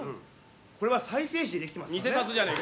これは再生紙でできています。